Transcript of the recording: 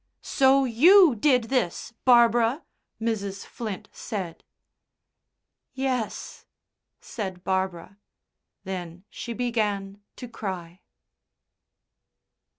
"So you did this, Barbara?" Mrs. Flint said. "Yes," said Barbara. Then she began to cry.